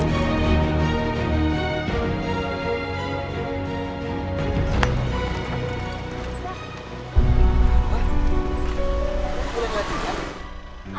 aku udah ngeliat jalan